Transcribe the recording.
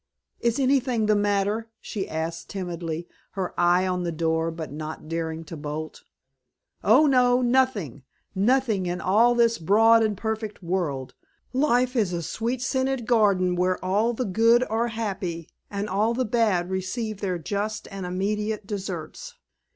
"Is anything the matter?" she asked timidly, her eye on the door but not daring to bolt. "Oh, no, nothing! Nothing in all this broad and perfect world. Life is a sweet scented garden where all the good are happy and all the bad receive their just and immediate deserts.